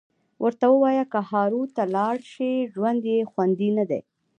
ورته ووایه که هارو ته لاړ شي ژوند یې خوندي ندی